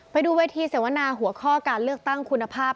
ไปดูเวทีเสวนาหัวข้อการเลือกตั้งคุณภาพ